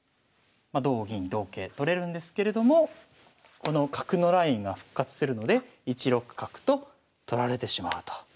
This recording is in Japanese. まあ同銀同桂取れるんですけれどもこの角のラインが復活するので１六角と取られてしまうと。